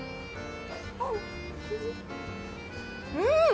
うん！